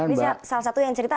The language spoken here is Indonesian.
bisa salah satu yang cerita